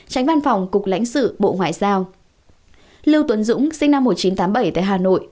tránh văn phòng cục lãnh sự bộ ngoại giao lưu tuấn dũng sinh năm một nghìn chín trăm tám mươi bảy tại hà nội